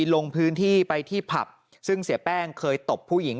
ลงพื้นที่ไปที่ผับซึ่งเสียแป้งเคยตบผู้หญิง